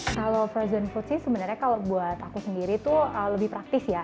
kalau frozen food sih sebenarnya kalau buat aku sendiri tuh lebih praktis ya